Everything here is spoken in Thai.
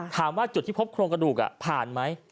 ถามว่าจุดที่พบโครงกระดูกผ่านไหม